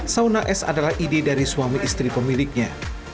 sauna s adalah ide dari suami istri pemiliknya